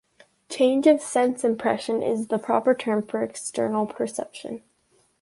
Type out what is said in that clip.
Change of sense-impression is the proper term for external perception.